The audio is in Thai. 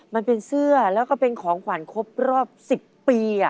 มันเป็นเสื้อแล้วก็เป็นของขวัญครบรอบ๑๐ปี